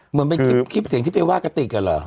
เหมือนเป็นคลิปเสียงที่ไปว่ากระติกอะเหรอ